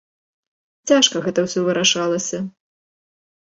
Цяжка гэта ўсё вырашалася.